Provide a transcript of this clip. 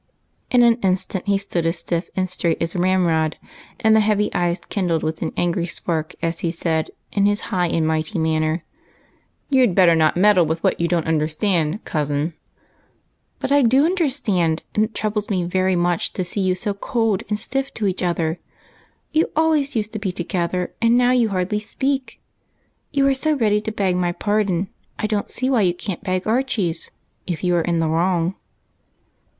In an instant he stood as stiff and straight as a ram rod, and the heavy eyes kindled with an angry spark as he said, in his high and mighty manner, —" You 'd better not meddle with what you don't understand, cousin." " But I do understand, and it troubles me very much to see you so cold and stiff to one another. You always used to be together, and now you hardly speak. You are so ready to beg my j^ardon I don't see why you can't beg Archie's, if you are in the wrong."